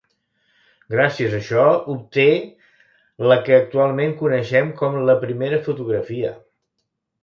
Gràcies a això obté la que actualment coneixem com la primera fotografia.